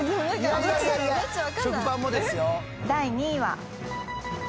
第２位は。